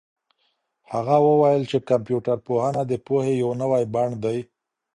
هغه وویل چي کمپيوټر پوهنه د پوهې یو نوی بڼ دی.